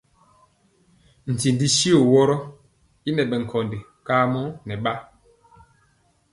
Ntindi tyio woro y ŋɛ bɛ nkóndi kamɔ nɛ ba.